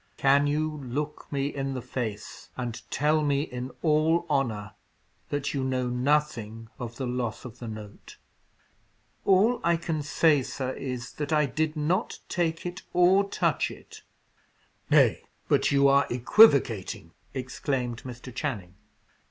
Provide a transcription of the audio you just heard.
"Can you look me in the face and tell me, in all honour, that you know nothing of the loss of the note?" "All I can say, sir, is, that I did not take it or touch it." "Nay, but you are equivocating!" exclaimed Mr. Channing.